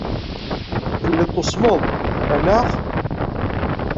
Telliḍ tusmeḍ, anaɣ?